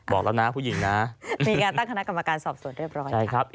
บอกแล้วนะผู้หญิงนะมีการตั้งคณะกรรมการสอบส่วนเรียบร้อยใช่ครับ